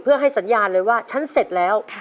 เพื่อให้สัญญาณเลยว่าฉันเสร็จแล้ว